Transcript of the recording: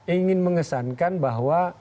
ingin mengesankan bahwa